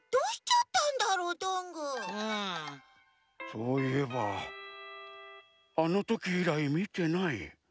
そういえばあのときいらいみてない。